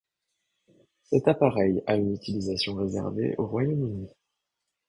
Cet appareil a une utilisation réservée au Royaume-Uni.